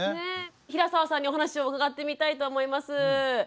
平澤さんにお話を伺ってみたいと思います。